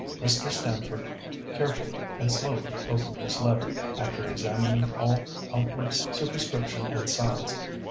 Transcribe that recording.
Mr. Stamford carefully and slowly opened his letter, after examining all outward superscription and signs.